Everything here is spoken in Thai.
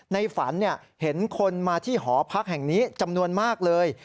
ในฝันเห็นคนมาที่หอพักแห่งนี้จำนวนมากเลย